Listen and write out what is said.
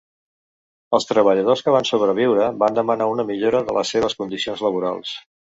Els treballadors que van sobreviure van demanar una millora de les seves condicions laborals.